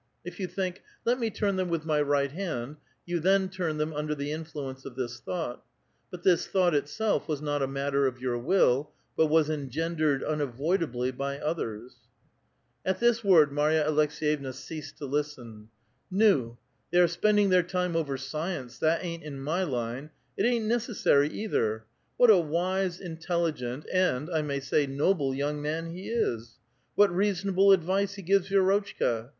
If you think, * Let me turn them with my right hand/ you then turn them under the influence of this thought ; but this thought itself was not a matter of your will, but was engendered una voidably by othei s." At this word Marya Aleks6yevna ceased to listen. '' Nu! they are spending their time over science ; that ain't in my line, it ain't necessary either. What a wise, intelligent, and I may say noble, young man he is ! What reasonable advice he gives Vi6rotchka